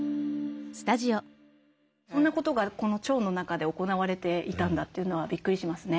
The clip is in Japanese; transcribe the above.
こんなことがこの腸の中で行われていたんだというのはびっくりしますね。